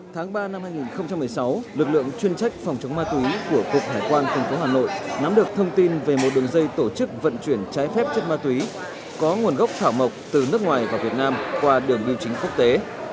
tháng ba năm hai nghìn một mươi sáu lực lượng chuyên trách phòng chống ma túy của cục hải quan tp hà nội nắm được thông tin về một đường dây tổ chức vận chuyển trái phép chất ma túy có nguồn gốc thảo mộc từ nước ngoài vào việt nam qua đường biểu chính quốc tế